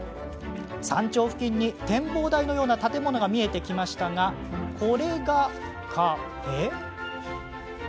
山頂付近に展望台のような建物が見えてきたんですがこれがカフェ？